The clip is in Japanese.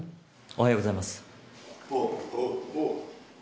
おはようございます。